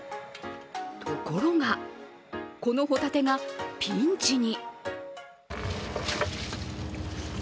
ところが、このホタテがピンチに。